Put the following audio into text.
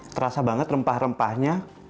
terasa banget rempah rempahnya